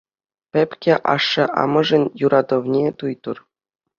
Пепке ашшӗ-амӑшӗн юратӑвне туйтӑр.